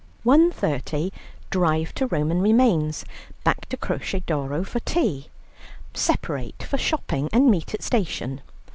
30; drive to Roman remains, back to Croce d'Oro for tea; separate for shopping and meet at station, 5.